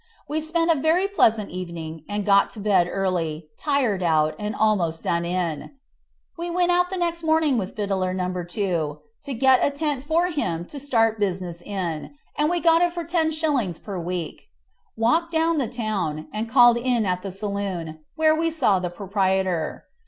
We spent a very pleasant evening, and got to bed early, tired out, and almost done up. We went out the next morning with Fiddler No 2 to get a tent for him to start business in, and we got it for 10s. per week. Walked down the town, and called in at the saloon, where we saw the proprietor.